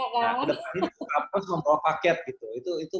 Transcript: nah ke depan ini pak pos membawa paket gitu